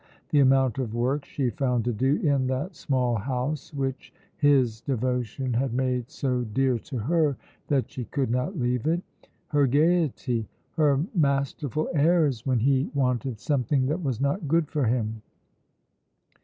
The amount of work she found to do in that small house which his devotion had made so dear to her that she could not leave it! Her gaiety! Her masterful airs when he wanted something that was not good for him!